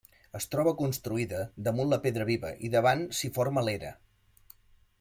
Es troba construïda damunt la pedra viva i a davant s'hi forma l'era.